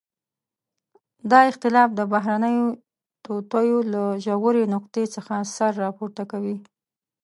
دا اختلاف د بهرنيو توطئو له ژورې نقطې څخه سر راپورته کوي.